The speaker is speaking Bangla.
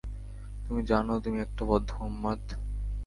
তুমি জানো, তুমি একটা বদ্ধ উন্মাদ?